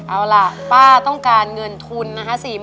เอาล่ะป้าต้องการเงินทุนนะฮะ๔๐๐๐๐บาท